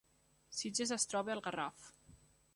Sitges es troba al Garraf